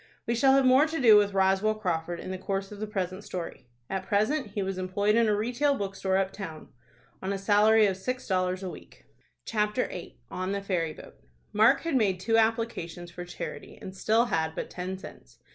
We shall have more to do with Roswell Crawford in the course of the present story. At present he was employed in a retail bookstore up town, on a salary of six dollars a week. CHAPTER VIII. ON THE FERRY BOAT. Mark had made two applications for charity, and still had but ten cents.